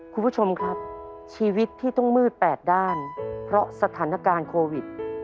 คุณผู้ชมครับชีวิตที่ต้องมืดแปดด้านเพราะสถานการณ์โควิด